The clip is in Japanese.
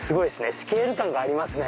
スケール感がありますね。